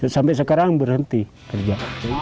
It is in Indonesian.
sampai sekarang berhenti kerja